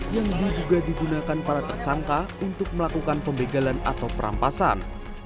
yang diduga digunakan para tersangka untuk melakukan pembegalan atau perampasan